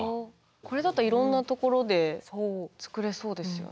これだといろんなところでつくれそうですよね。